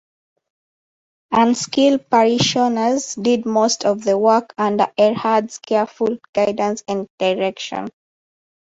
Unskilled parishioners did most of the work under Erhard's careful guidance and direction.